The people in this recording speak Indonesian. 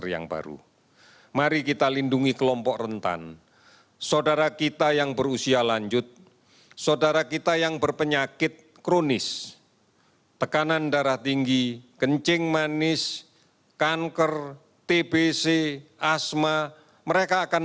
jumlah kasus yang diperiksa sebanyak empat puluh delapan enam ratus empat puluh lima